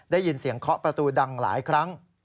ได้ยินเสียงเคาะประตูดังหลายครั้ง